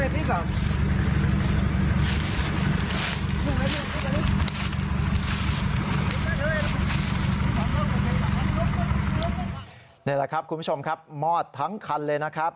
นี่แหละครับคุณผู้ชมครับมอดทั้งคันเลยนะครับ